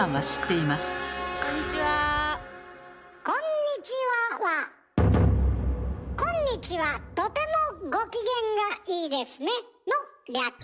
「こんにちは」は「こんにちはとてもご機嫌がいいですね」の略。